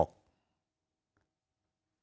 แม่งบอก